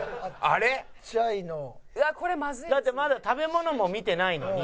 「だってまだ食べ物も見てないのに」